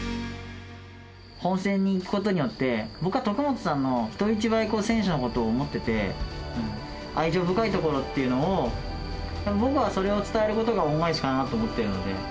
本戦に行くことによって、僕は徳本さんの人一倍選手のことを思ってて、愛情深いところっていうのを、僕がそれを伝えることが恩返しかなと思っているので。